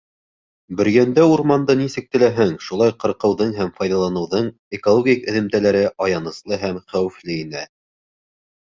Бөрйәндә урманды нисек теләһәң, шулай ҡырҡыуҙың һәм файҙаланыуҙың экологик эҙемтәләре аяныслы һәм хәүефле ине.